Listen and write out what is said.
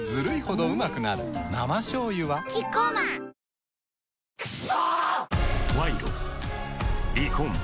生しょうゆはキッコーマンふぅ